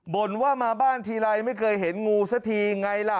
่นว่ามาบ้านทีไรไม่เคยเห็นงูสักทีไงล่ะ